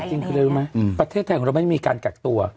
จริงคืออะไรรู้ไหมประเทศไทยของเราไม่มีการกักตัว